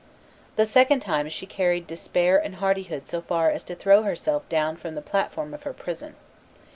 The second time she carried despair and hardihood so far as to throw herself down from the platform of her prison.